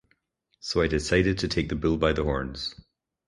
So I decided to take the bull by the horns.